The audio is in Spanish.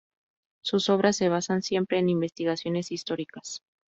Sus obras se basan siempre en investigaciones históricas.